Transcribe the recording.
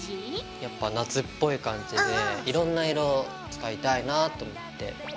やっぱ夏っぽい感じでいろんな色使いたいなぁと思って。